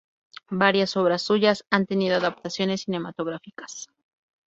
Varias obras suyas han tenido adaptaciones cinematográficas.